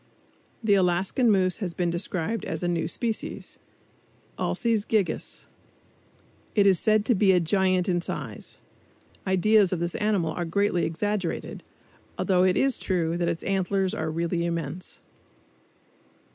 The Alaskan moose has been described as a new species (Alces gigas). It is said to be a giant in size. Ideas of this animal are greatly exaggerated, although it is true that its antlers are really immense.